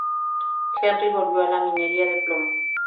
Henry volvió a la minería de plomo.